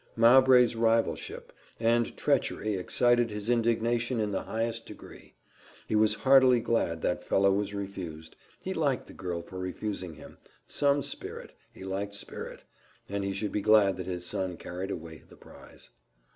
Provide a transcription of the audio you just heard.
Mowbray's rivalship and treachery excited his indignation in the highest degree: he was heartily glad that fellow was refused he liked the girl for refusing him some spirit he liked spirit and he should be glad that his son carried away the prize.